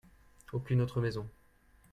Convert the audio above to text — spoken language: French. Aucune autre maison.